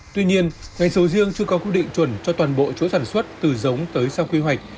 tuy nhiên ngành sầu riêng chưa có quy định chuẩn cho toàn bộ chỗ sản xuất từ giống tới sau quy hoạch